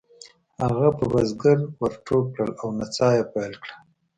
هغه په بزګر ور ټوپ کړل او نڅا یې پیل کړه.